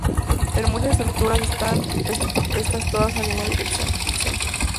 En muchas estructuras estas están todas alineadas en la misma dirección.